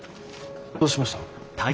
どうしました？